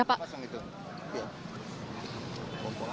pompok apa ya